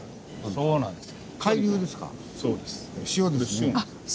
そうなんです。